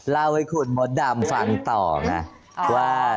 เล่าให้คุณมดดำฟังต่อไงว่า